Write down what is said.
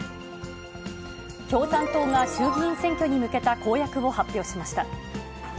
共産党が衆議院選挙に向けた公約を発表しました。